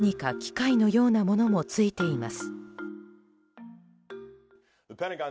よく見ると何か機械のようなものもついています。